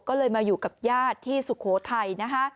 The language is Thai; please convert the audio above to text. ก็เลยมาอยู่กับญาติที่สุโขทัยนะคะ